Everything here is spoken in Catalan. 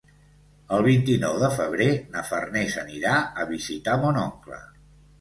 El vint-i-nou de febrer na Farners anirà a visitar mon oncle.